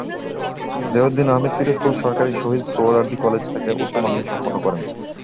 জিয়াউদ্দিন আহমেদ পিরোজপুর সরকারী শহীদ সোহরাওয়ার্দী কলেজ থেকে উচ্চমাধ্যমিক সম্পন্ন করেন।